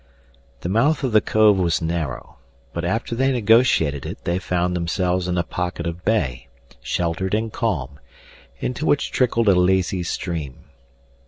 The mouth of the cove was narrow, but after they negotiated it they found themselves in a pocket of bay, sheltered and calm, into which trickled a lazy stream.